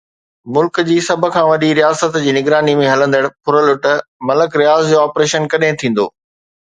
ملڪ جي سڀ کان وڏي رياست جي نگراني ۾ هلندڙ ڦرلٽ ملڪ رياض جو آپريشن ڪڏهن ٿيندو؟